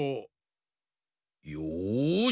よし！